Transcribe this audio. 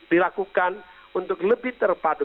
dilakukan untuk lebih terpadu